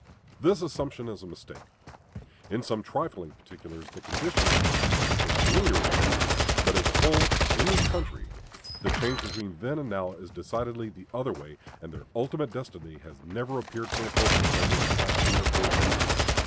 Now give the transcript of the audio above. This assumption is a mistake. In some trifling particulars the condition of that race has been ameliorated; but as a whole, in this country, the change between then and now is decidedly the other way; and their ultimate destiny has never appeared so hopeless as in the last three or four years.